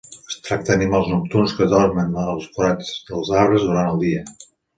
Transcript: Es tracta d'animals nocturns que dormen en forats dels arbres durant el dia.